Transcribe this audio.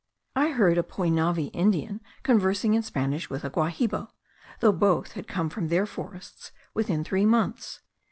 I heard a Poinave Indian conversing in Spanish with a Guahibo, though both had come from their forests within three months.